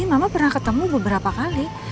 mama pernah ketemu beberapa kali